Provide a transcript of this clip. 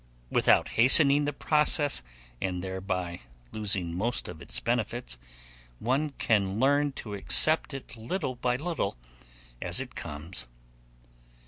Without hastening the process, and thereby losing most of its benefits, one can learn to accept it little by little, as it comes.